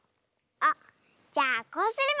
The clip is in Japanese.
あっじゃあこうすれば？